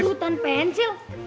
lho hutan pensil